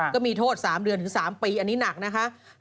ก็มีโทษ๓เดือนถึง๓ปีอันนี้หนักนะคะ